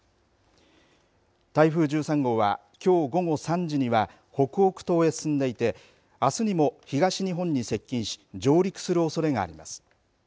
台風１３号はきょう午後３時には北北東へ進んでいてあすにも東日本に接近し上陸するおそれがあります。